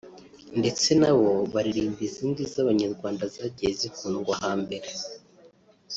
ndetse nabo baririmba izindi z’abanyarwanda zagiye zikundwa hambere